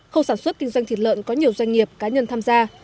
khâu sản xuất kinh doanh thịt lợn có nhiều doanh nghiệp cá nhân tham gia